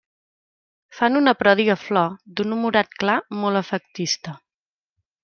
Fan una pròdiga flor d'un morat clar molt efectista.